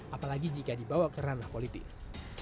apalagi jika dibawa ke ranah politis